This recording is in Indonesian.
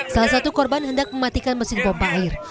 salah satu korban hendak mematikan mesin pompa air